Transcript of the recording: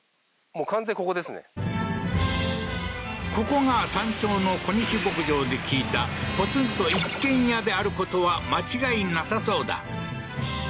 ここが山頂の小西牧場で聞いたポツンと一軒家であることは間違いなさそうだ